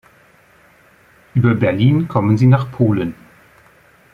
Über Berlin kommen sie nach Polen.